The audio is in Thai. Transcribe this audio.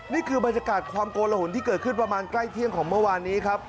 นี่คือบรรยากาศความโกละหนที่เกิดขึ้นประมาณใกล้เที่ยงของเมื่อวานนี้ครับ